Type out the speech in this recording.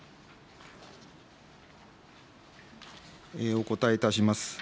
お答えいたします。